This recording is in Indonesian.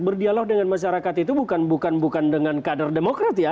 berdialog dengan masyarakat itu bukan bukan dengan kader demokrat ya